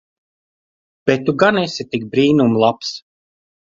Bet tu gan esi tik brīnum labs.